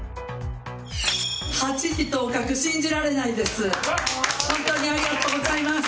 ８時当確、信じられないです。